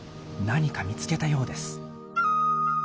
何か見つけたようです。